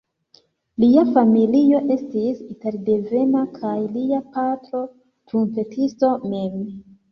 Lia familio estis italdevena kaj lia patro trumpetisto mem.